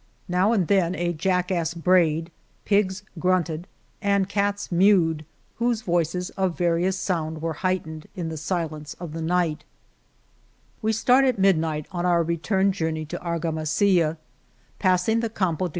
Now and then a jackass brayed, pigs grunt ed, and cats mewed, whose voices of various sound were heightened in the silence of the night" 165 El Toboso We start at midnight on our return jour ney to Argamasilla, passing the Campo de i..